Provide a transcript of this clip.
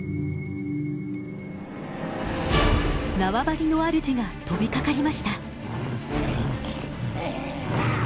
縄張りのあるじが飛びかかりました。